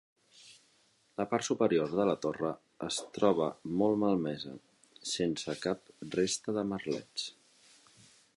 La part superior de la torre es troba molt malmesa, sense cap resta de merlets.